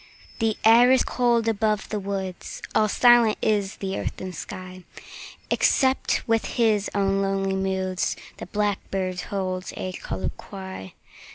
The air is cold above the woods; 5 All silent is the earth and sky, Except with his own lonely moods The blackbird holds a colloquy.